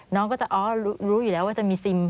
น้องก็จะอ๋อรู้อยู่แล้วว่าจะมีซิม